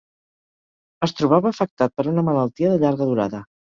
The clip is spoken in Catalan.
Es trobava afectat per una malaltia de llarga durada.